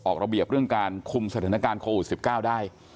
ออกระเบียบเรื่องการคุมสถานการณ์โควิด๑๙ได้